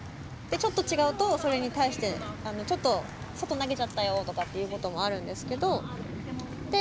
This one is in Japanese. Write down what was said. ちょっと違うとそれに対してちょっと外投げちゃったよとかっていうこともあるんですけど。